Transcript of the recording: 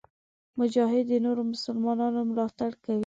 مجاهد د نورو مسلمانانو ملاتړ کوي.